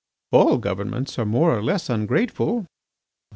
"All governments are more or less ungrateful."